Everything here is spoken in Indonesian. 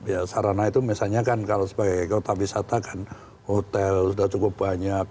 ya sarana itu misalnya kan kalau sebagai kota wisata kan hotel sudah cukup banyak